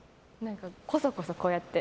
こそこそこうやって。